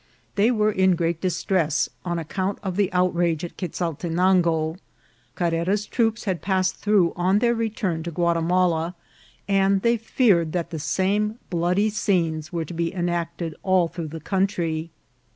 They were in great distress on account of the outrage at Quezaltenango. Carrera's troops had passed through on their return to Guatimala, and they feared that the same bloody scenes were to be enacted all through the country.